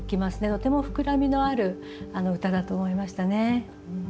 とても膨らみのある歌だと思いましたね。